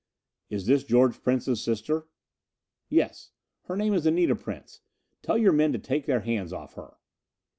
"Is this George Prince's sister?" "Yes. Her name is Anita Prince. Tell your men to take their hands off her."